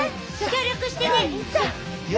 協力してね！